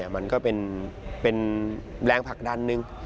มันก็เป็นแรงผลักดันหนึ่ง